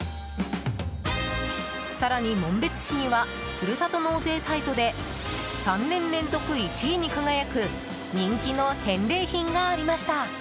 更に紋別市にはふるさと納税サイトで３年連続１位に輝く人気の返礼品がありました。